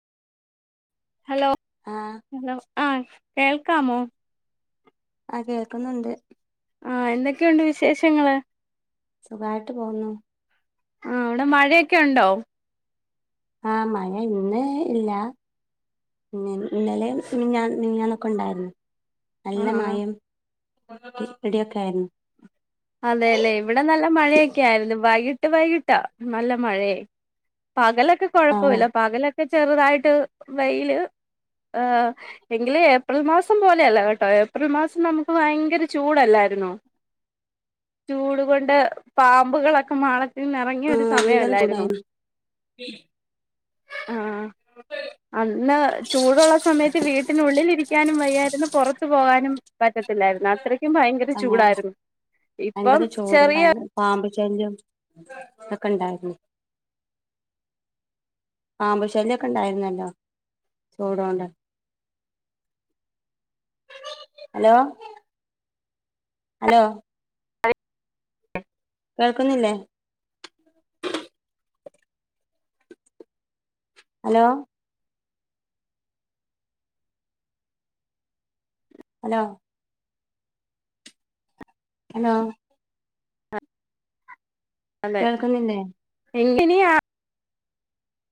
Hello ആഹ് hello ആ കേൾക്കാമോ ആഹ് കേൾക്കുന്നുണ്ട് ആഹ് എന്തൊക്കെയുണ്ട് വിശേഷങ്ങള് സുഖായിട്ട് പോകുന്നു ആഹ് അവിടെ മഴയൊക്കെ ഉണ്ടോ ആഹ് മഴ ഇന്ന് ഇല്ല പിന്നെ ഇന്നലെ പിന്നഞാ നൊക്കെ ഉണ്ടായിരുന്നു ആ നല്ല മഴം ഇടിയൊക്കെ ആയിരുന്നു അതെയല്ലേ ഇവിടെ നല്ല മഴയൊക്കെ ആയിരുന്നു വൈകിട്ട് വൈകിട്ടാ നല്ല മഴയെ പകലൊക്കെ ആഹ് കൊഴപ്പല്ല പകലൊക്കെ ചെറുതായിട്ട് വെയില് ഏഹ എങ്കില് ഏപ്രിൽ മാസം പോലെയല്ല കേട്ടോ ഏപ്രിൽ മാസം നമുക്ക് ഭയങ്കര ചൂടല്ലായിരുന്നൊ ചൂട് കൊണ്ട് പാമ്പുകളൊക്കെ മാള ഇന്ന ഇറങ്ങിയ ഒരു ആഹ് ഭയങ്കര സമയല്ലായിരുന്നോ ചൂടായിരുന്നു ആഹ അന്ന് ചൂടുള്ള സമയത്ത് വീട്ടിനുള്ളിലിരിക്കാനും വയ്യായിരുന്നു പുറത്തു പോകാനും പറ്റത്തില്ലായിരുന്നു അത്രയ്ക്കും ഭയങ്കര ആഹ് ചൂടായിരുന്നു ഇപ്പം ഭയങ്കര ചൂടും ചെറിയ ഭയങ്കര പാമ്പ് ശല്യം തൊക്കെ ഇണ്ടായിരുന്നു. പാമ്പു ശല്യൊക്കെ ഇണ്ടായിരുന്നല്ലോ ചൂടോണ്ട് ഹലോ ഹലോ കേൾക്കുന്നില്ലേ? ഹലോ ഹലോ ഹലോ അതെ കേൾക്കുന്നില്ലേ എങ്ങനയാ